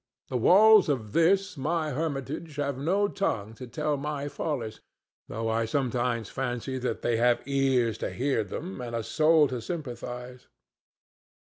The walls of this my hermitage have no tongue to tell my follies, though I sometimes fancy that they have ears to hear them and a soul to sympathize.